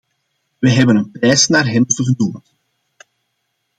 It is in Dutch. Wij hebben een prijs naar hem vernoemd.